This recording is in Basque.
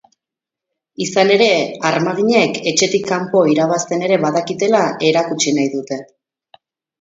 Izan ere, armaginek etxetik kanpo irabazten ere badakitela erakutsi nahi dute.